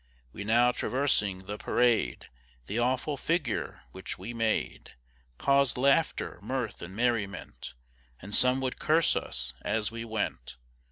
We now traversing the parade, The awful figure which we made, Caus'd laughter, mirth, and merriment, And some would curse us as we went.